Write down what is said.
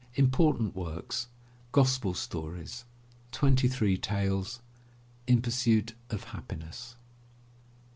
*' Important works: Gospel Stories. Twenty Three Tales. In Pursuit of Happiness.